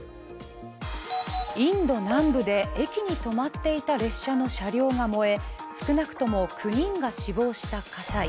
インド南部で駅に止まっていた列車の車両が燃え、少なくとも９人が死亡した火災。